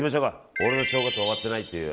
俺の正月は終わってないっていう。